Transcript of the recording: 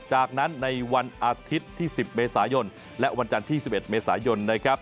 จากนั้นในวันอาทิตย์ที่๑๐เมษายนและวันจันทร์ที่๑๑เมษายนนะครับ